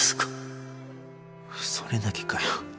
それだけかよ。